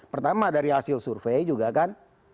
pertama dari hasil survei juga kan